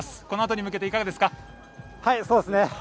このあとに向けていかがですか。